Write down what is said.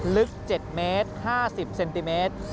ลึก๗เมตร๕๐เซนติเมตร